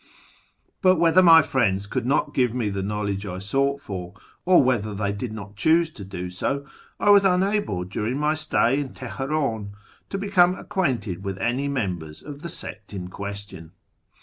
But whether my friends could not give me the knowledge I sought for, or whether they did not choose to do so, I was unable during my stay in Teheran to become acquainted with any members of the sect in question.